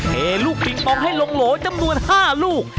เทลูกปิงปองให้ลงโหลจำนวน๕ลูก